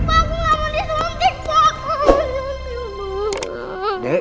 aku gak mau disuntik